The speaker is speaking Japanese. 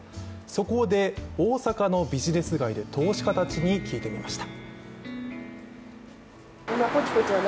そこで、大阪のビジネス街で投資家たちに聞いていました。